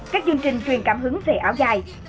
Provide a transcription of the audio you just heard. các chương trình truyền cảm hứng về áo dài